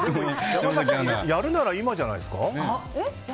やるなら今じゃないですか？